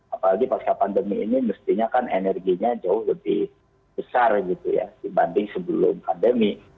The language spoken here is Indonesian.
apalagi pasca pandemi ini mestinya kan energinya jauh lebih besar gitu ya dibanding sebelum pandemi